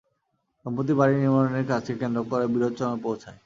সম্প্রতি বাড়ি নির্মাণের কাজকে কেন্দ্র করে বিরোধ চরমে পৌঁছায়।